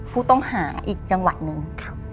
ผู้ต้องหาอีกจังหวัดหนึ่ง